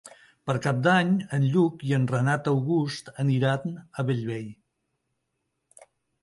Per Cap d'Any en Lluc i en Renat August aniran a Bellvei.